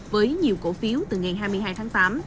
với nhiều cổ phiếu từ ngày hai mươi hai tháng tám